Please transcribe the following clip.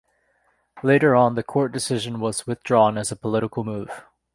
Later on the court decision was withdrawn as a political move.